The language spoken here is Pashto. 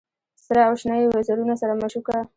سره او شنه یې وزرونه سره مشوکه